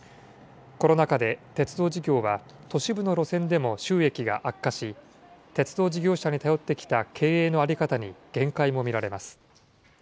コロナ禍で鉄道事業は都市部の路線でも収益が悪化し、鉄道事業者に頼ってきた経営の在り方に限界も見られます。